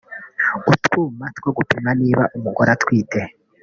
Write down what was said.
utwuma two gupima niba umugore atwite